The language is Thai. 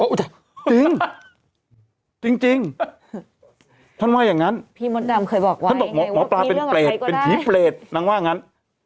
อ๋ออุ๊ยจริงจริงท่านว่าอย่างนั้นท่านบอกหมอปลาเป็นเปรตเป็นผีเปรตน้องว่าอย่างนั้น